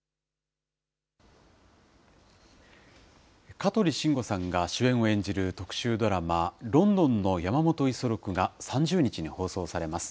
香取慎吾さんが主演を演じる特集ドラマ、倫敦ノ山本五十六が３０日に放送されます。